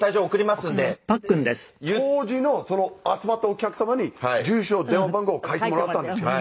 当時の集まったお客様に住所電話番号を書いてもらったんですよ。